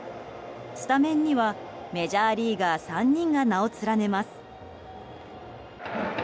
スタメンにはメジャーリーガー３人が名を連ねます。